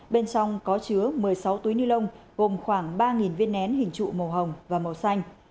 bên trong có chứa một mươi sáu túi ni lông gồm khoảng ba viên nén hình trụ màu hồng và màu xanh